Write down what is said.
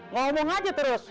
ngomong aja terus